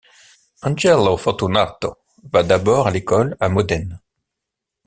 Angelo Fortunato va d'abord à l'école à Modène.